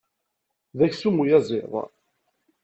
D aksum uyaziḍ.